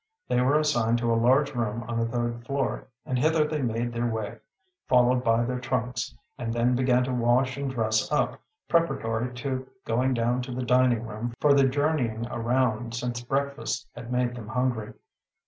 They were assigned to a large room on the third floor, and hither they made their way, followed by their trunks, and then began to wash and dress up, preparatory to going down to the dining room, for the journeying around since breakfast had made them hungry.